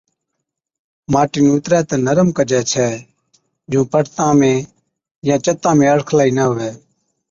ماٽِي نُون اِترَي تہ نرم ڪجَي ڇَي جُون پٽتان ۾ يان چتان ۾ الڙکلائِي نہ هُوَي۔